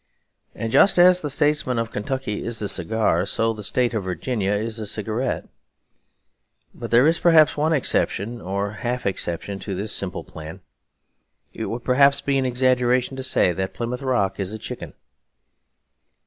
And just as the statesman of Kentucky is a cigar, so the state of Virginia is a cigarette. But there is perhaps one exception, or half exception, to this simple plan. It would perhaps be an exaggeration to say that Plymouth Rock is a chicken.